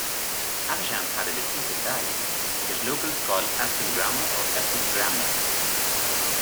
Evesham had a distinctive dialect, which locals called "Asum Grammar", or "Asum Grammer".